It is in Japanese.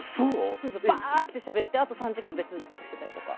バーッてしゃべって、あと３時間別のことしてたりとか。